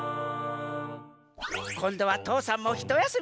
こんどは父山もひとやすみ。